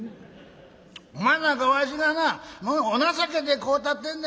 お前なんかわしがなお情けでこうたってんねん。